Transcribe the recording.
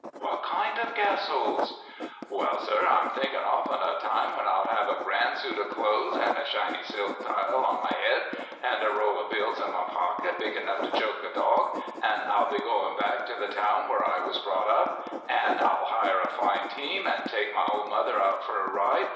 "What kind of castles?" "Well, sir, I'm thinkin' often o' a time when I'll have a grand suit o' clothes, an' a shiny silk tile on my head, an' a roll o' bills in my pocket, big enough to choke a dog, an' I'll be goin' back to the town where I was brought up an' I'll hire a fine team an' take my ol' mother out for a ride.